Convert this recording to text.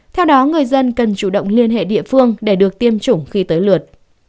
theo đó người dân cần chủ động liên hệ địa phương để được tiêm chủng khi tới lượt